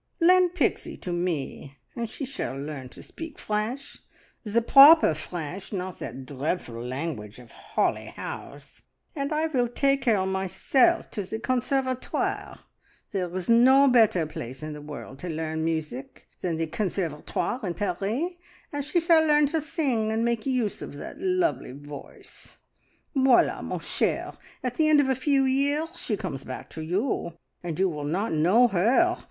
Lend Pixie to me, and she shall learn to speak French, the proper French, not that dreadful language of Holly House, and I will take her myself to the Conservatoire there is no better place in the world to learn music than the Conservatoire in Paris and she shall learn to sing and make use of that lovely voice. Voila, ma chere, at the end of a few years she comes back to you, and you will not know her!